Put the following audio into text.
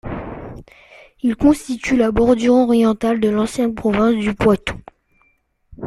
Il constitue la bordure orientale de l'ancienne province du Poitou.